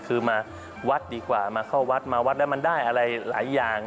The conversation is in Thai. คือมาวัดดีกว่ามาเข้าวัดมาวัดแล้วมันได้อะไรหลายอย่าง